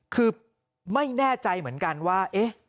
คือไม่แน่ใจเหมือนกันว่า